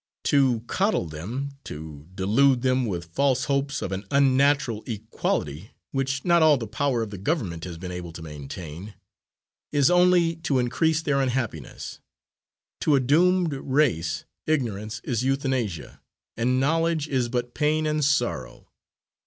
To coddle them, to delude them with false hopes of an unnatural equality which not all the power of the Government has been able to maintain, is only to increase their unhappiness. To a doomed race, ignorance is euthanasia, and knowledge is but pain and sorrow.